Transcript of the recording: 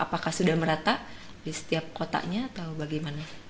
apakah sudah merata di setiap kotanya atau bagaimana